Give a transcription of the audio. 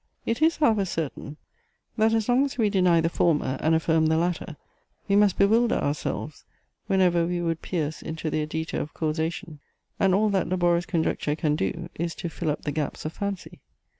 It is, however, certain, that as long as we deny the former, and affirm the latter, we must bewilder ourselves, whenever we would pierce into the adyta of causation; and all that laborious conjecture can do, is to fill up the gaps of fancy.